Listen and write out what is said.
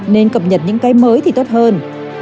nên cập nhật những cái mới thì tốt hơn